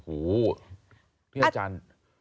หูพี่อาจารย์